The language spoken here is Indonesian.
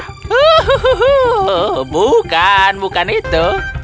huhuhu bukan bukan itu